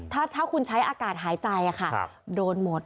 ถ้าคุณใช้อากาศหายใจโดนหมด